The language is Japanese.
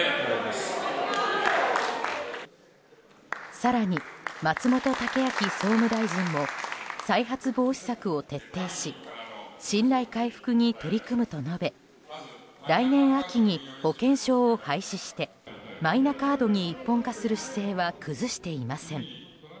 更に、松本剛明総務大臣も再発防止策を徹底し信頼回復に取り組むと述べ来年秋に保険証を廃止してマイナカードに一本化する姿勢は崩していません。